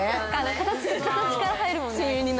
形から入るもんね。